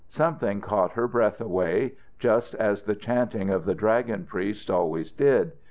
Something caught her breath away, just as the chanting of the dragon priests always did.